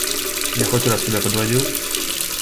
Я хоть раз тебя подводил?